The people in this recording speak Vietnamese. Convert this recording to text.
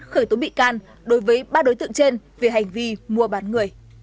khởi tố bị can đối với ba đối tượng trên về hành vi mua bán người